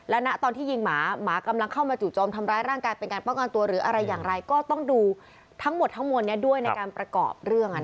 และณตอนที่ยิงหมาหมากำลังเข้ามาจู่โจมทำร้ายร่างกายเป็นการป้องกันตัวหรืออะไรอย่างไรก็ต้องดูทั้งหมดทั้งมวลนี้ด้วยในการประกอบเรื่อง